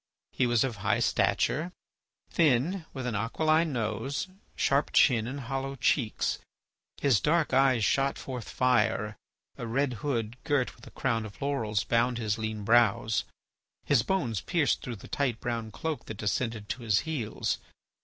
He was of high stature, thin, with an aquiline nose, sharp chin, and hollow cheeks. His dark eyes shot forth fire; a red hood girt with a crown of laurels bound his lean brows. His bones pierced through the tight brown cloak that descended to his heels.